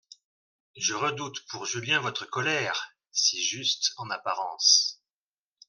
Je redoute pour Julien votre colère, si juste en apparence.